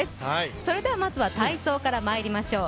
まずは体操からまいりましょう。